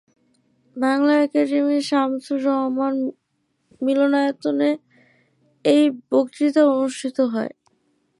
বাংলা একাডেমির শামসুর রাহমান মিলনায়তনে এই বক্তৃতা অনুষ্ঠিত হয়।